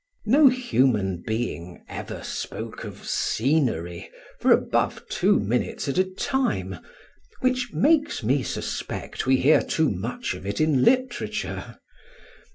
No human being ever spoke of scenery for above two minutes at a time, which makes me suspect we hear too much of it in literature.